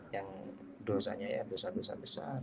yang dosanya ya dosa dosa besar